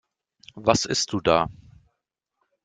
Was isst du da?